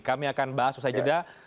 kami akan bahas ustaz yuda